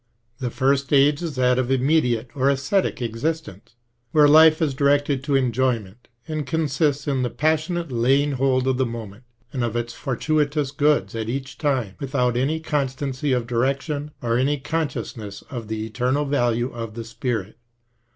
The first stage is that of immediate or aesthetic existence, where life is directed to enjoyment, and consists in the passionate laying hold of the moment and of its fortuitous goods at each time, without any constancy of direction or any consciousness of the eternal value of the spirit.